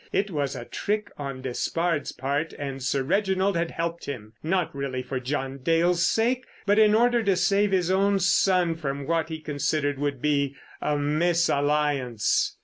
It was a trick on Despard's part, and Sir Reginald had helped him—not really for John Dale's sake, but in order to save his own son from what he considered would be a mesalliance.